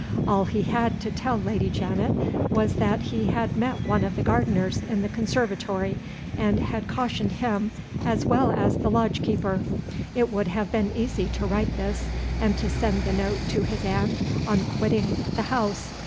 All he had to tell Lady Janet was that he had met one of the gardeners in the conservatory, and had cautioned him as well as the lodge keeper. It would have been easy to write this, and to send the note to his aunt on quitting the house.